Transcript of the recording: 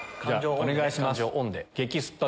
お願いします。